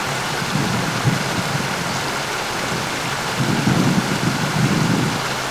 na kila alipopata kazi alifukuzwa Jambo zuri kwake alikuwa mchoraji